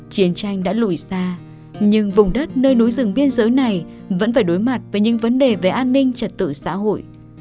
chiến tranh đã lùi xa nhưng vùng đất nơi núi rừng biên giới này vẫn phải đối mặt với những vấn đề về an ninh trật tự xã hội